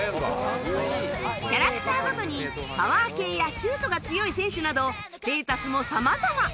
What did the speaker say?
キャラクターごとにパワー系やシュートが強い選手などステータスも様々